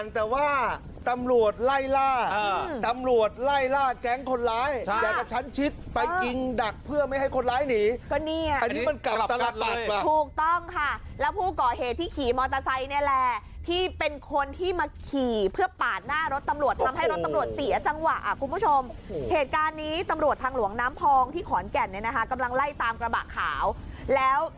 ตัมหลวงน้ำคนแกนเนี้ยนะฮะกำลังไล่ตามกระบาดขาวแล้ว